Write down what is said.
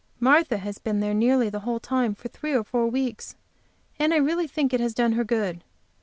Martha has been there nearly the whole time for three or four weeks, and I really think it has done her good.